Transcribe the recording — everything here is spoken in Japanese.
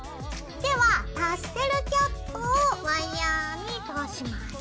ではタッセルキャップをワイヤーに通します。